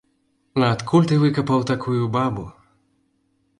Адкуль ты выкапаў такую бабу?